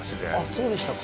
そうでしたか。